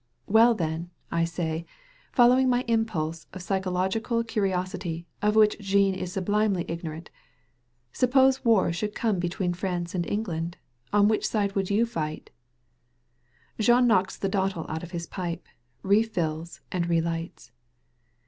"Well, then, I say, following my impulse of psychological curiosity, of which Jean is sublimely ignorant, '* suppose a war should come between France and England. On which side would you fight?" Jean knocks the dottle out of his pipe, refills and relights.